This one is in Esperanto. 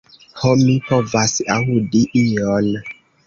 Ho, mi povas aŭdi ion.